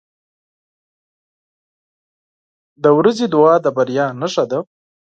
• د ورځې دعا د بریا نښه ده.